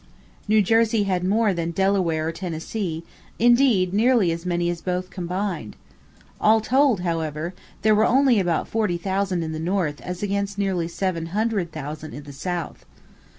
New Jersey had more than Delaware or Tennessee, indeed nearly as many as both combined. All told, however, there were only about forty thousand in the North as against nearly seven hundred thousand in the South.